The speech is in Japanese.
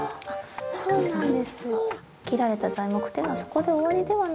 そうなんです。